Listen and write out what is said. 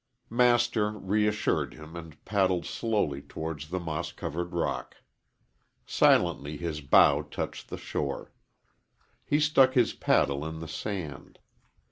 Master reassured him and paddled slowly towards the moss covered rock. Silently his bow touched the shore. He stuck his paddle in the sand.